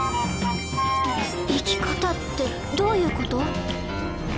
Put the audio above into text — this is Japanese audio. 生き方ってどういうこと？